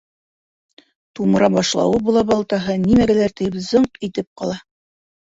Тумыра башлауы була, балтаһы, нимәгәлер тейеп, зыңҡ итеп ҡала.